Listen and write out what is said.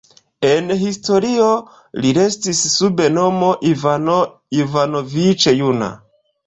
En historio li restis sub nomo "Ivano Ivanoviĉ Juna".